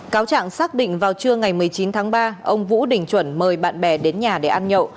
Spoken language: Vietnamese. cáo trạng xác định vào trưa ngày một mươi chín tháng ba ông vũ đình chuẩn mời bạn bè đến nhà để ăn nhậu